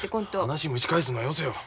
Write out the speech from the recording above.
話蒸し返すのはよせよ。